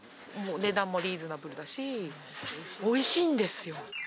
値段もリーズナブルだし、おいしいんですよ。